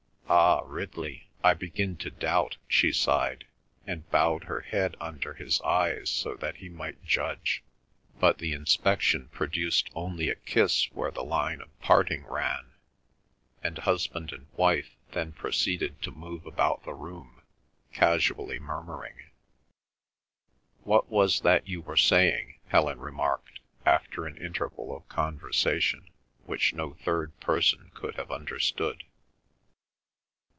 "Ah, Ridley, I begin to doubt," she sighed; and bowed her head under his eyes so that he might judge, but the inspection produced only a kiss where the line of parting ran, and husband and wife then proceeded to move about the room, casually murmuring. "What was that you were saying?" Helen remarked, after an interval of conversation which no third person could have understood.